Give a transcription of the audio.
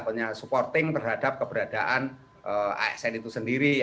punya supporting terhadap keberadaan asn itu sendiri